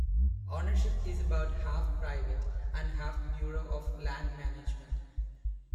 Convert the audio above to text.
Ownership is about half private, and half Bureau of Land Management.